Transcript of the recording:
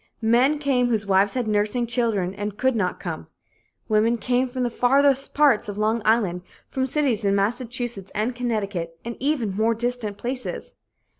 Men came whose wives had nursing children and could not come. Women came from the farther parts of Long Island, from cities in Massachusetts and Connecticut and even more distant places.